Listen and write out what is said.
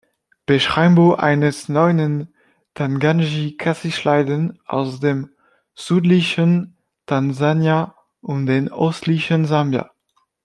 Beschreibung eines neuen Tanganjikacichliden aus dem sudlichen Tansania und dem ostlichen Sambia.